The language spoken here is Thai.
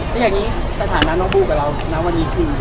ตอนนี้สถานะน้องบูกับเราน้องวันนี้คือ